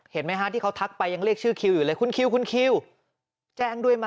เห็นมั้ยฮะที่เขาทักไปยังเรียกชื่อคิวอยู่เลย